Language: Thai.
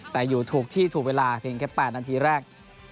แต่อยู่ถูกที่ถูกเวลาเพียงแค่๘นาทีแรก